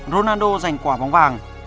ronaldo giành quả bóng vàng